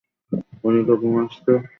উনি তো ঘুমাচ্ছে।